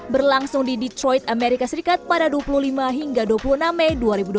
berlangsung di detroit amerika serikat pada dua puluh lima hingga dua puluh enam mei dua ribu dua puluh